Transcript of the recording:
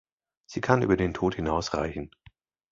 Sie kann über den Tod hinaus reichen.